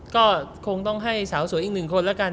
ก็คงต้องให้สาวสวยอีกหนึ่งคนแล้วกัน